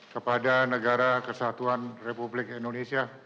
kepada negara kesatuan republik indonesia